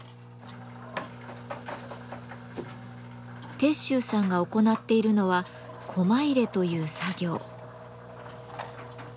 鉄舟さんが行っているのはコマ入れという作業。